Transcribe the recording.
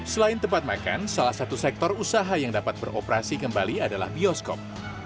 selain tempat makan salah satu sektor usaha yang dapat beroperasi kembali adalah bioskop